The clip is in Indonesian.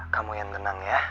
kamu yang tenang ya